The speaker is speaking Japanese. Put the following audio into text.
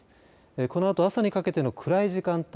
このあと朝にかけての暗い時間帯